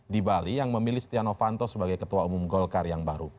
di bali yang memilih setia novanto sebagai ketua umum golkar yang baru